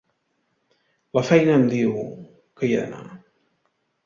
La feina em diu que hi he d’anar.